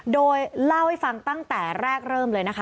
โดยเล่าให้ฟังตั้งแต่แรกเริ่มเลยนะคะ